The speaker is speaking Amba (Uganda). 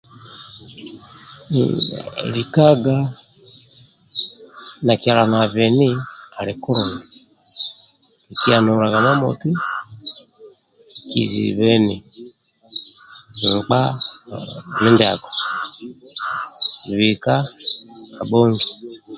Likaga na kyalo nabeni ali kulungi kikihanulaga imamoti nibhikizibha nkpa mudia lika ndia kabhongi